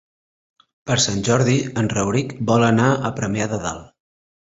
Per Sant Jordi en Rauric vol anar a Premià de Dalt.